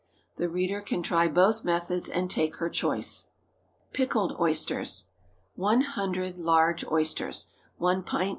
The reader can try both methods and take her choice. PICKLED OYSTERS. ✠ 100 large oysters. 1 pt.